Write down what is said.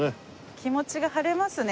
気持ちが晴れますね